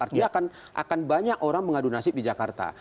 artinya akan banyak orang mengadu nasib di jakarta